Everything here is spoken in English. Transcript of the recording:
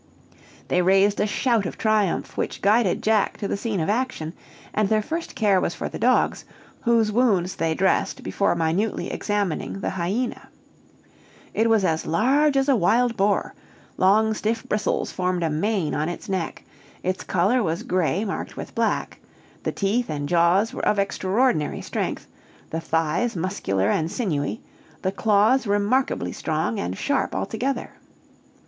They raised a shout of triumph, which guided Jack to the scene of action; and their first care was for the dogs, whose wounds they dressed before minutely examining the hyena. It was as large as a wild boar; long stiff bristles formed a mane on its neck, its color was gray marked with black, the teeth and jaws were of extraordinary strength, the thighs muscular and sinewy, the claws remarkably strong and sharp altogether.